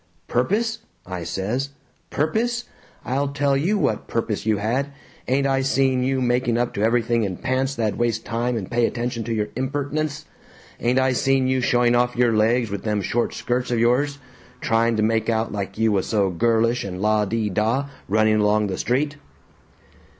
'Purpose?' I says, 'Purpose? I'll tell you what purpose you had! Ain't I seen you making up to everything in pants that'd waste time and pay attention to your impert'nence? Ain't I seen you showing off your legs with them short skirts of yours, trying to make out like you was so girlish and la de da, running along the street?'"